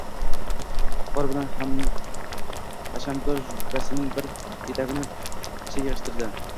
viqor bilan hashamdor jubbasining bir etagini picha yig'ishtirdi.